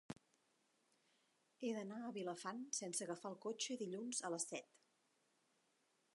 He d'anar a Vilafant sense agafar el cotxe dilluns a les set.